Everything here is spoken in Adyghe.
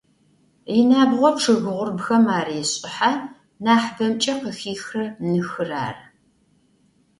Yinabğo ççıg ğurbexem arêş'ıhe, nahıbemç'e khıxixırer nıxır arı.